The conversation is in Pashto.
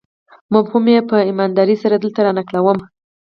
مفهوم یې په امانتدارۍ سره دلته رانقلوم.